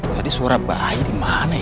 tadi suara bayi mana ya